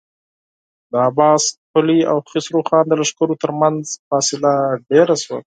د عباس قلي او خسرو خان د لښکرو تر مينځ فاصله ډېره شوه.